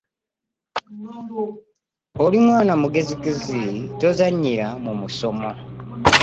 Oli mwana mugezigezi tozannyira mu musomo.